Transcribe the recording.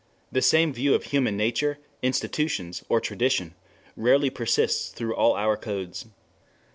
The same view of human nature, institutions or tradition rarely persists through all our codes.